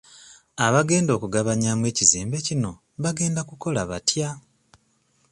Abagenda okugabanyaamu ekizimbe kino bagenda kukola batya?